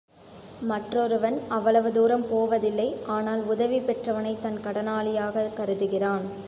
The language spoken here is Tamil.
மற்றொருவன் அவ்வளவு தூரம் போவதில்லை ஆனால், உதவி பெற்றவனைத் தன் கடனாளியாகக் கருதுகிறான்.